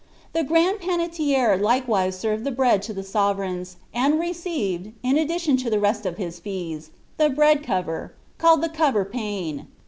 '" ^The grand pannetier likewise served the bread to the sovereigns, and received, in addition to the rest of his fees, the bread cover, called the cover pane.